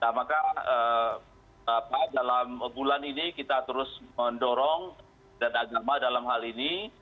nah maka dalam bulan ini kita terus mendorong dan agama dalam hal ini